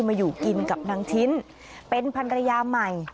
มาอยู่กินกับนางชิ้นเป็นพันรยาใหม่